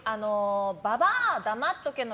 ババアだまっとけの